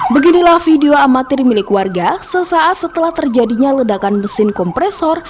beginilah video amatir milik warga sesaat setelah terjadinya ledakan mesin kompresor